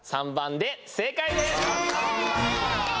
３番で正解です。